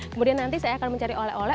kemudian nanti saya akan mencari oleh oleh